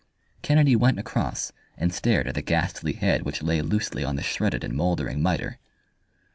Kennedy went across, and stared at the ghastly head which lay loosely on the shredded and mouldering mitre.